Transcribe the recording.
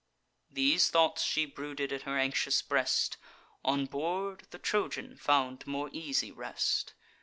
These thoughts she brooded in her anxious breast. On board, the Trojan found more easy rest.